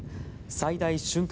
最大瞬間